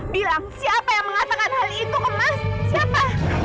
bilang siapa yang mengatakan hal itu ke mas